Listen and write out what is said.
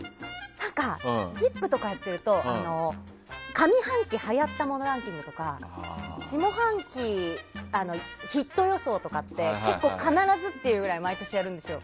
「ＺＩＰ！」とかやってると上半期、はやったものランキングとか下半期ヒット予想とかって結構、必ずってぐらい毎年やるんですよ。